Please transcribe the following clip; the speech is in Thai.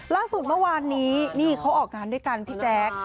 ล่าสุดเมื่อวานนี้นี่เขาออกงานด้วยกันพี่แจ๊ค